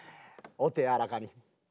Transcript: お手柔らかに。